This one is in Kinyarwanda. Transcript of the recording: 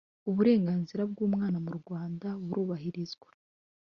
uburenganzira bw ‘umwana mu Rwanda burubahirizwa